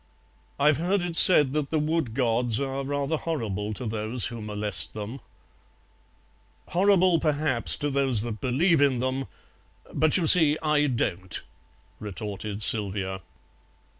"I've heard it said that the Wood Gods are rather horrible to those who molest them." "Horrible perhaps to those that believe in them, but you see I don't," retorted Sylvia.